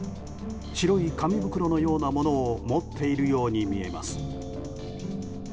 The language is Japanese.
白い紙袋のようなものを持っているように見えます。